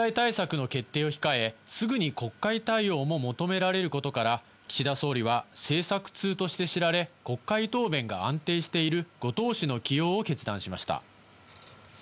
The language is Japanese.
経済対策の決定を控え、すぐに国会対応も求められることから岸田総理は政策通として知られ、国会答弁が安定している後藤氏の起用を決断しました。